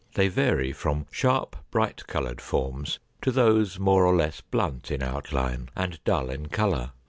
They vary from sharp, bright colored forms to those more or less blunt in outline, and dull in color.